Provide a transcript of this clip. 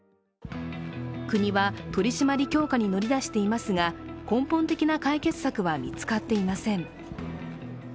国は、取り締まり強化に乗り出していますが根本的な解決策は見つかっていません。